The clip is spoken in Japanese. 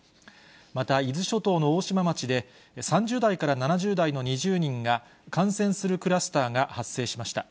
また伊豆諸島の大島町で、３０代から７０代の２０人が、感染するクラスターが発生しました。